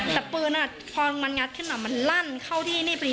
แต่ปืนพอมันงัดขึ้นมามันลั่นเข้าที่นี่พอดี